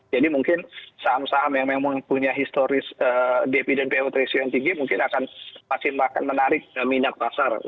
jadi mungkin saham saham yang memang punya historis dividend payout ratio yang tinggi mungkin akan menarik minyak pasar